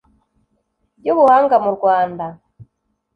by ubuhanga mu Rwanda